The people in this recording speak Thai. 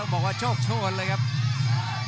บอกว่าโชคโชนเลยครับ